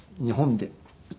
日本で。